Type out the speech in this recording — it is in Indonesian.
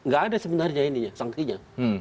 gak ada sebenarnya ini sangkinya